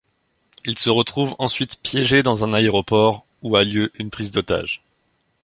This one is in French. Il se retrouve ensuite piégé dans un aéroport, où a lieu une prise d'otages.